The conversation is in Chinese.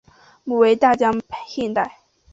母为大江磐代。